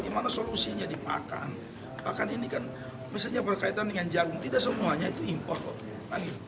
misalnya berkaitan dengan jagung tidak semuanya itu impah kok